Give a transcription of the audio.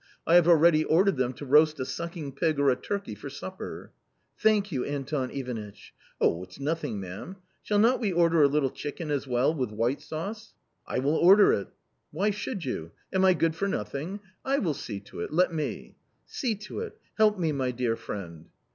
I have already ordered them to roast a sucking pig or a turkey for supper." " Thank you, Anton Ivanitch." "Oh, it's nothing, ma'am. Shall not we order a little chicken, as well, with white sauce ?"" I will order it." "Why should you? Am I good for nothing? I will see to it. ... let me." " See to it, help me, my dear friend."